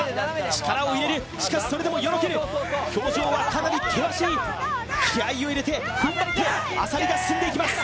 力を入れるしかしそれでもよろける表情はかなり険しい気合いを入れて踏ん張って浅利が進んでいきます